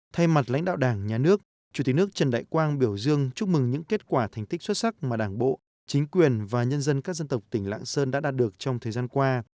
thay mặt lãnh đạo đảng nhà nước chủ tịch nước trần đại quang biểu dương chúc mừng những kết quả thành tích xuất sắc mà đảng bộ chính quyền và nhân dân các dân tộc tỉnh lạng sơn đã đạt được trong thời gian qua